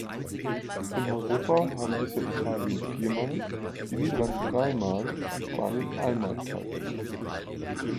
Für Europa haben bisher Italien viermal, die Niederlande dreimal und Spanien einmal teilgenommen.